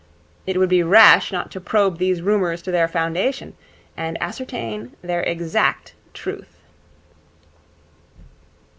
It would be rash not to probe these rumours to their foundation, and ascertain their exact truth.'